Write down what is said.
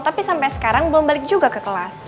tapi sampai sekarang belum balik juga ke kelas